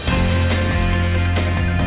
saya diana tewika undur diri